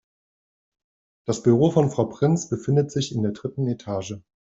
Das Büro von Frau Prinz befindet sich in der dritten Etage.